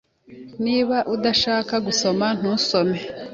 Niba udashaka gusoma, ntusome.